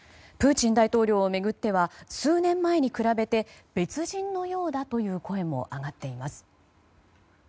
プーチン大統領を巡っては数年前に比べて別人のようだという声も上がっています。